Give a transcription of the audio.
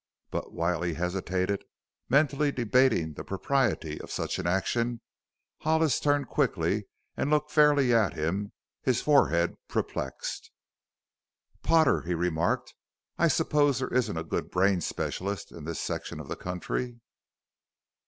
But while he hesitated, mentally debating the propriety of such an action, Hollis turned quickly and looked fairly at him, his forehead perplexed. "Potter," he remarked, "I suppose there isn't a good brain specialist in this section of the country?"